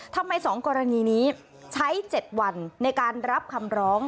ทำไม๒กรณีนี้ใช้๗วันในการรับคำร้อง